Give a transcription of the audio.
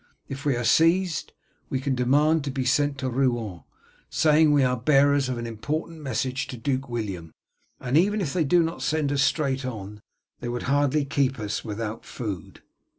If we are seized, we can demand to be sent to Rouen, saying we are bearers of an important message to Duke William, and even if they do not send us straight on, they would hardly keep us without food."